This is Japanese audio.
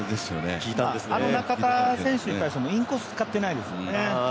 あの中田選手に対してもインコース使ってないですもんね。